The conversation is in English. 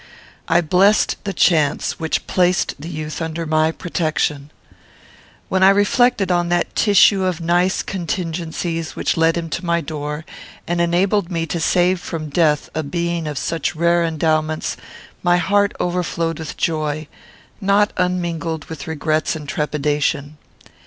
I blessed the chance which placed the youth under my protection. When I reflected on that tissue of nice contingencies which led him to my door, and enabled me to save from death a being of such rare endowments, my heart overflowed with joy, not unmingled with regrets and trepidation.